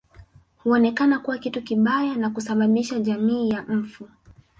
Huonekana kuwa kitu kibaya na kusababisha jamii ya mfu